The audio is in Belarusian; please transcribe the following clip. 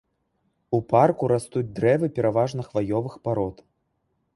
У парку растуць дрэвы пераважна хваёвых парод.